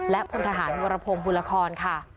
และพลทหารวรพงศ์บุรครค่ะ